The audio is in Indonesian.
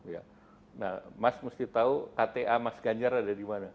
nah mas mesti tahu kta mas ganjar ada di mana